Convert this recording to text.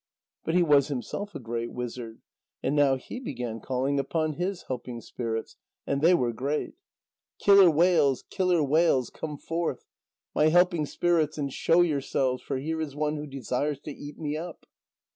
But he was himself a great wizard, and now he began calling upon his helping spirits. And they were great. "Killer whales, killer whales come forth, my helping spirits and show yourselves, for here is one who desires to eat me up."